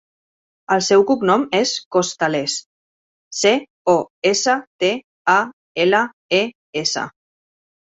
El seu cognom és Costales: ce, o, essa, te, a, ela, e, essa.